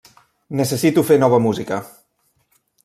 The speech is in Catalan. Necessito fer nova música!